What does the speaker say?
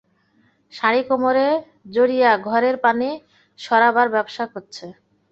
শাড়ি কোমরে জড়িয়ে ঘরের পানি সরাবার ব্যবসা করছে।